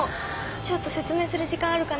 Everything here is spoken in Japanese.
ちょっと説明する時間あるかな？